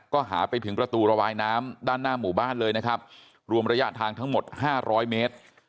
ก็หาไปถึงประตูระบายน้ำด้านหน้าหมู่บ้านเลยนะครับรวมระยะทางทั้งหมดห้าร้อยเมตร